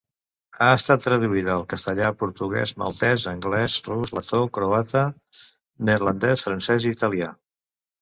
Ha estat traduïda al castellà, portuguès, maltès anglès, rus, letó, croata, neerlandès, francès i italià.